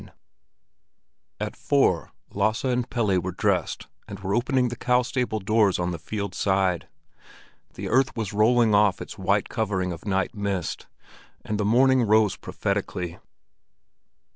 IV At four, Lasse and Pelle were dressed and were opening the cow stable doors on the field side. The earth was rolling off its white covering of night mist, and the morning rose prophetically.